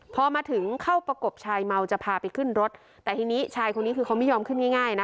พอมาถึงเข้าประกบชายเมาจะพาไปขึ้นรถแต่ทีนี้ชายคนนี้คือเขาไม่ยอมขึ้นง่ายง่ายนะ